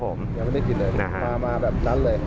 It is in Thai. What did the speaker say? ผมยังไม่ได้กินเลยมาแบบนั้นเลย